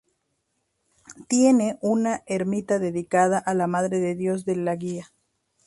Tiene una ermita dedicada a la Madre de Dios de la Guía.